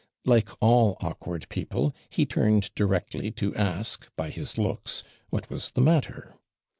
Like all awkward people, he turned directly to ask, by his looks, what was the matter?